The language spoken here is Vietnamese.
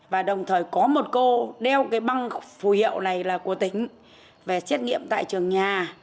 và đồng thời có một cô đeo cái băng phù hiệu này là của tỉnh về xét nghiệm tại trường nhà